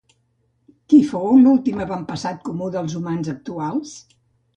Qui fou l'últim avantpassat comú dels humans actuals?